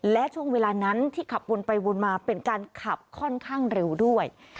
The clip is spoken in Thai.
และช่วงเวลานั้นที่ขับวนไปวนมาเป็นการขับค่อนข้างเร็วด้วย